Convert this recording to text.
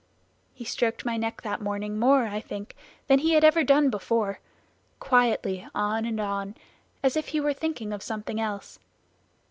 He stroked my neck that morning more, I think, than he had ever done before; quietly on and on, as if he were thinking of something else.